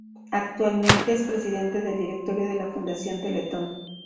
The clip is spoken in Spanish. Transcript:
Actualmente es presidente del directorio de la Fundación Teletón.